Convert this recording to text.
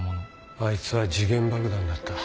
あいつは時限爆弾だった。